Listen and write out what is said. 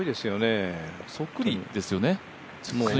そっくりですよね。